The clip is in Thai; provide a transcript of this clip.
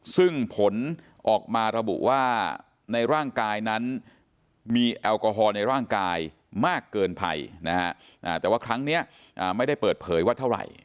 ซึ่งผลออกมาระบุว่าในร่างกายนั้นมีแอลกอฮอล์ในร่างกายมากเกินไปนะฮะแต่ว่าครั้งนี้ไม่ได้เปิดเผยว่าเท่าไหร่